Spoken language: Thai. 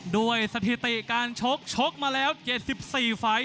ด้วยสถิติการชกชกมาแล้ว๕๔ฝ่าย